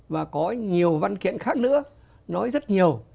và có nhiều văn kiện khác nữa nói rất nhiều